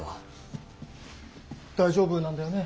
大丈夫なんだよね？